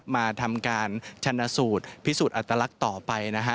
มาทำการชนะสูตรพิสูจน์อัตลักษณ์ต่อไปนะฮะ